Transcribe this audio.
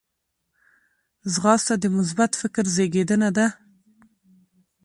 ځغاسته د مثبت فکر زیږنده ده